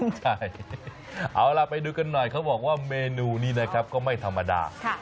ใช่เอาล่ะไปดูกันหน่อยเขาบอกว่าเมนูนี้นะครับก็ไม่ธรรมดา